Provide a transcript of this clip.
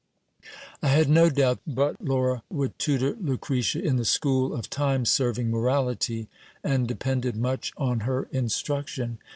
I had no doubt but Laura would tutor Lucretia in the school of time serving morality, and depended much on her instruction.